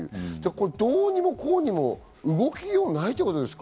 どうにもこうにも動きようないということですか？